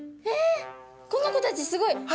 えっこの子たちすごい。